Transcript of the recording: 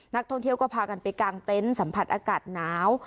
นักท่องเที่ยวก็พากันไปกางเต็นต์สัมผัสอากาศหนาว